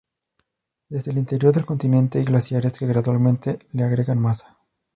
Desde el interior del continente hay glaciares que gradualmente le agregan masa.